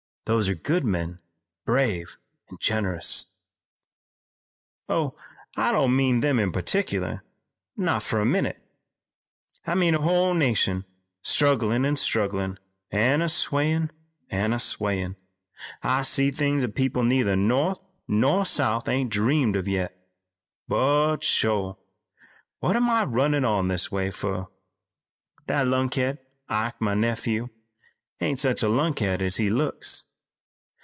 "Those are good men, brave and generous." "Oh, I don't mean them in partickler. Not for a minute. I mean a whole nation, strugglin' an' strugglin' an' swayin' an' swayin'. I see things that people neither North nor South ain't dreamed of yet. But sho! What am I runnin' on this way fur? That lunkhead, Ike, my nephew, ain't such a lunkhead as he looks.